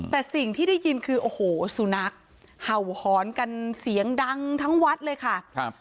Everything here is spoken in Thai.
แต่สิ่งที่ได้ยินคือโอ้โหสุนัขเห่าหอนกันเสียงดังทั้งวัดเลยค่ะครับ